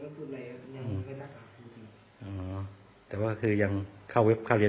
ไม่ได้คุณเลยยังไม่รักหาครูดีอ๋อแต่ว่าคือยังเข้าเว็บเข้าเรียน